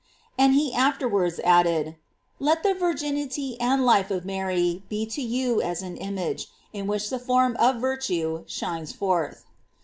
f And he afterwards adds: Let the virginity and life of Mary be to you as an image, in which the form of virtue shines forth.